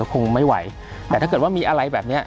คงไม่ไหวแต่ถ้าเกิดว่ามีอะไรแบบเนี้ย